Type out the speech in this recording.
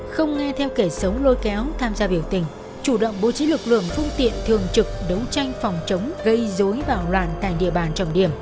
không nghe theo kể xấu lôi kéo tham gia biểu tình chủ động bố trí lực lượng phương tiện thường trực đấu tranh phòng chống gây dối bạo loạn tại địa bàn trọng điểm